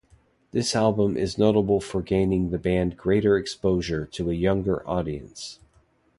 This album is notable for gaining the band greater exposure to a younger audience.